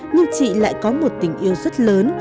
nhưng chị lại có một tình yêu rất lớn